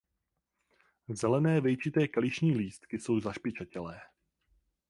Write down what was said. Zelené vejčité kališní lístky jsou zašpičatělé.